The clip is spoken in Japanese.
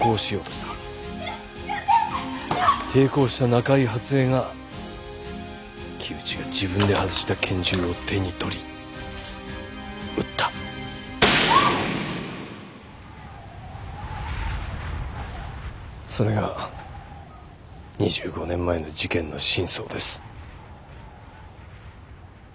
嫌抵抗した中井初枝が木内が自分で外した拳銃を手に取り撃ったそれが２５年前の事件の真相です